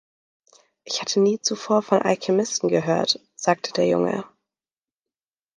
„Ich hatte nie zuvor von Alchemisten gehört“, sagte der Junge.